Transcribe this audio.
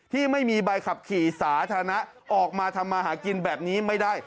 ที่ไม่มีใบขับขี่สาธารณะออกมาทำมาหากินแบบนี้ไม่ได้